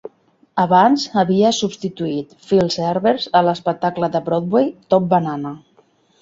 Abans havia substituït Phil Silvers a l'espectacle de Broadway "Top Banana".